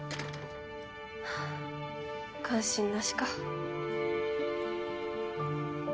関心なしか。